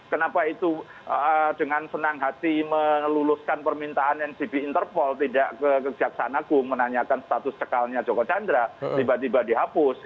kenapa itu dengan senang hati mengeluluskan permintaan ncb interpol tidak ke kejaksaan agung menanyakan status cekalnya joko chandra tiba tiba dihapus